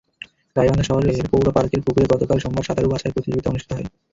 গাইবান্ধা শহরের পৌর পার্কের পুকুরে গতকাল সোমবার সাঁতারু বাছাই প্রতিযোগিতা অনুষ্ঠিত হয়।